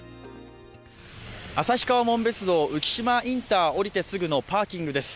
旭川・紋別道、浮島インター、降りてすぐのパーキングです。